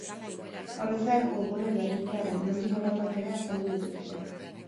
Horrez gain, webgune berrituaren nondik norakoak ere azaldu dituzte.